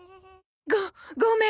ごごめん。